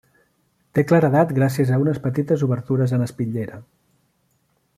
Té claredat gràcies a unes petites obertures en espitllera.